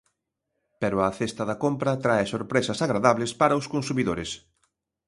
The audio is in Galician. Pero a cesta da compra trae sorpresas agradables para os consumidores.